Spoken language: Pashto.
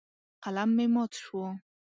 قلم مې مات شو.